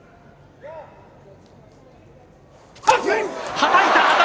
はたいた。